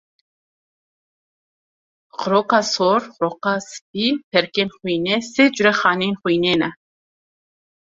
Xiroka sor, xiroka spî û perikên xwînê, sê corê xaneyên xwînê ne.